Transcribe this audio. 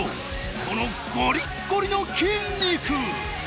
このゴリッゴリの筋肉。